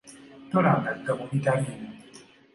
Tolandagga mu bitaliimu.